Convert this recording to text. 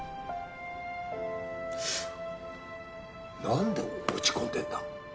何で落ち込んでんだ？